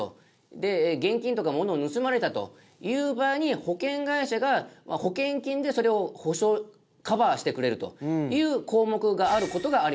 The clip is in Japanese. で現金とかものを盗まれたという場合に保険会社が保険金でそれを補償カバーしてくれるという項目がある事があります。